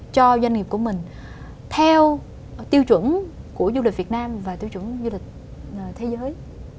cho doanh nghiệp của mình theo tiêu chuẩn của du lịch việt nam và tiêu chuẩn du lịch thế giới